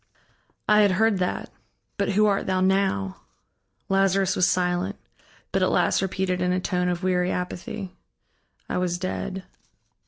"I had heard that. But who art thou now?" Lazarus was silent, but at last repeated in a tone of weary apathy: "I was dead."